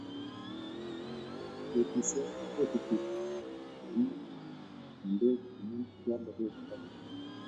Ketisiek kochuchuchi konyi eng bek amu Kyle bek choto.